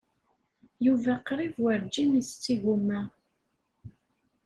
Yuba qrib werǧin isett igumma.